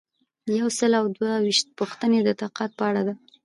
یو سل او دوه ویشتمه پوښتنه د تقاعد په اړه ده.